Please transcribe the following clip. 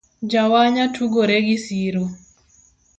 Jawanya tugore gisiro